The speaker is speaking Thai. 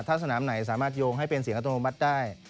ถ้าสนามไหนสามารถโยงให้เป็นเสียงอัตโนมัติได้